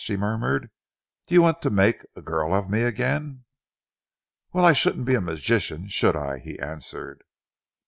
she murmured. "Do you want to make a girl of me again?" "Well, I shouldn't be a magician, should I?" he answered.